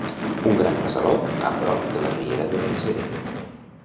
un gran casalot a prop de la riera de Vallserena